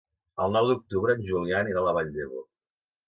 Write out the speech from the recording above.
El nou d'octubre en Julià anirà a la Vall d'Ebo.